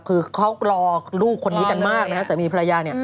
คือเขารอลูกคนนี้กันมากนะครับสามีภรรยา